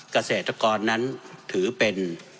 เกษตรกรนั้นถือเป็น